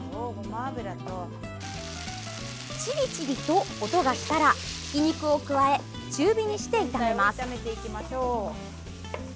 チリチリと音がしたらひき肉を加え中火にして炒めます。